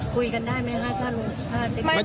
คุยกันได้ไหมฮะถ้าลุง